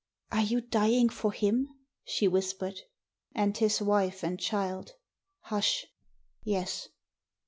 "Are you dying for him?" she whispered. "And his wife and child. Hush! Yes."